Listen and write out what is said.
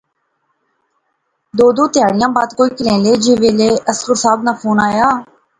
ددو تہاڑیاں بعد کوئی کلیلیں جے ویلے اصغر صاحب ناں فوں آیا